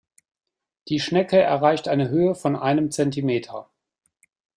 Die Schnecke erreicht eine Höhe von einem Zentimeter.